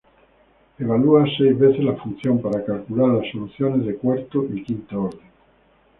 Evalúa seis veces la función para calcular las soluciones de cuarto y quinto orden.